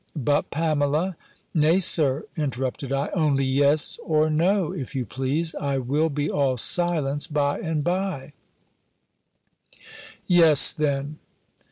But, Pamela " "Nay, Sir," interrupted I, "only Yes, or No, if you please: I will be all silence by and by." "Yes, then."